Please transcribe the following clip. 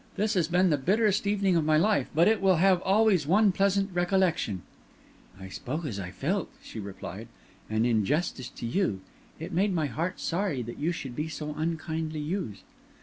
This has been the bitterest evening of my life, but it will have always one pleasant recollection." "I spoke as I felt," she replied, "and in justice to you. It made my heart sorry that you should be so unkindly used."